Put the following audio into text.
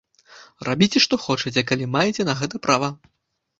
Рабіце што хочаце, калі маеце на гэта права!